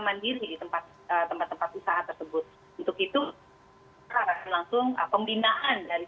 bahkan dari bnpw pusat